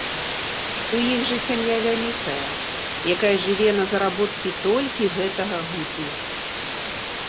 У іх жа сям'я вялікая, якая жыве на заработкі толькі гэтага гутніка.